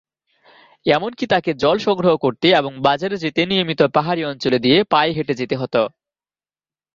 এমনকি তাকে জল সংগ্রহ করতে এবং বাজারে যেতে নিয়মিত পাহাড়ী অঞ্চলে দিয়ে পায়ে হেঁটে যেতে হত।